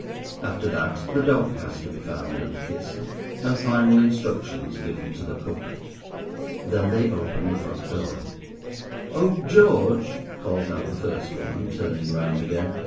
After that, the dog has to be found and kissed, and final instructions given to the cook. Then they open the front door. "Oh, George," calls out the first woman, turning round again.